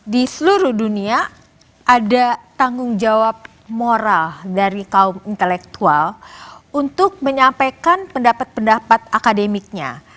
di seluruh dunia ada tanggung jawab moral dari kaum intelektual untuk menyampaikan pendapat pendapat akademiknya